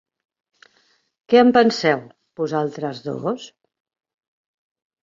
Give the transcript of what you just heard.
Què en penseu, vosaltres dos?